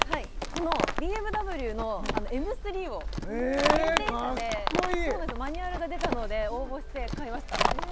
このＢＭＷのＭ３をえーっかっこいい限定車でマニュアルが出たので応募して買いました